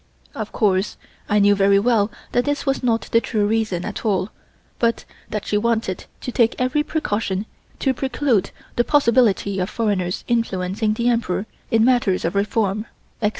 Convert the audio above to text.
Of course I knew very well that this was not the true reason at all but that she wanted to take every precaution to preclude the possibility of foreigners influencing the Emperor in matters of reform, etc.